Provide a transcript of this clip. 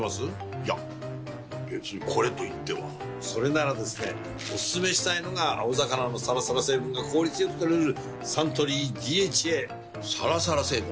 いや別にこれといってはそれならですねおすすめしたいのが青魚のサラサラ成分が効率良く摂れるサントリー「ＤＨＡ」サラサラ成分？